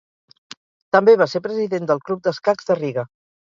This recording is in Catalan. També va ser President del Club d'Escacs de Riga.